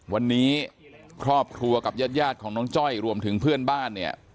วันนี้ครอบครัวกับญาติของน้องจ้อยรวมถึงเพื่อนบ้านเนี่ย